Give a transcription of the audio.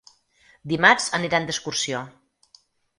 Dimarts aniran d'excursió.